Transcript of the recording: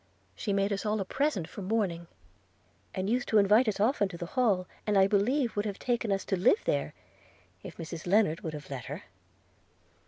She made us all a present for mourning; and used to invite us often to the Hall, and I believe would have taken us to live there if Mrs Lennard would have let her.